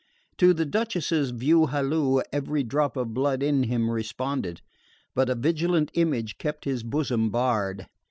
To the Duchess's "view halloo" every drop of blood in him responded; but a vigilant image kept his bosom barred.